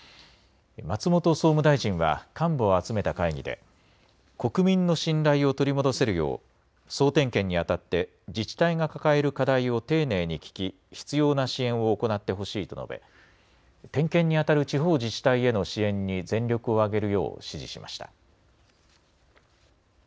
松本総務大臣は幹部を集めた会議で国民の信頼を取り戻せるよう総点検に当たって自治体が抱える課題を丁寧に聞き必要な支援を行ってほしいと述べ点検に当たる地方自治体への支援に全力を挙げるよう指示しました。